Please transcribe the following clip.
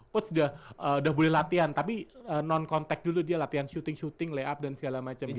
coach udah boleh latihan tapi non contact dulu dia latihan shooting shooting layup dan segala macem gitu